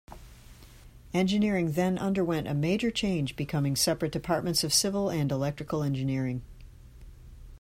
Engineering then underwent a major change becoming separate departments of civil and electrical engineering.